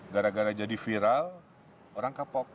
gara gara jadi viral orang kapok